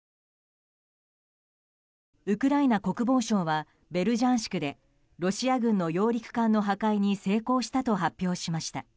ウクライナ国防省はベルジャンシクでロシア軍の揚陸艦の破壊に成功したと発表しました。